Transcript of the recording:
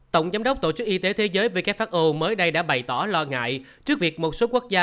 tổng giám đốc tổ chức y tế thế giới who mới đây đã bày tỏ lo ngại trước việc một số quốc gia